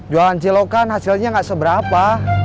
jualan cilokan hasilnya nggak seberapa